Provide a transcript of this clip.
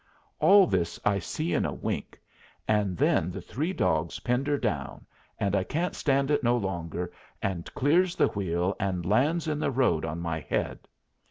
All this I see in a wink, and then the three dogs pinned her down, and I can't stand it no longer, and clears the wheel and lands in the road on my head.